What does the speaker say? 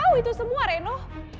kamu tahu semua reno